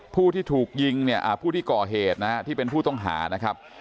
ผู้ที่ถูกยิงเนี่ยผู้ที่ก่อเหตุนะฮะที่เป็นผู้ต้องหานะครับ